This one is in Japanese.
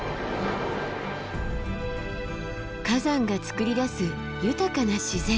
火山がつくり出す豊かな自然。